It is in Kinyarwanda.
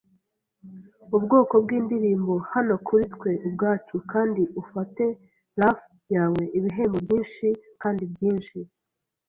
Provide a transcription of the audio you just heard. ubwoko bw'indirimbo, “Hano kuri twe ubwacu, kandi ufate luff yawe, ibihembo byinshi kandi byinshi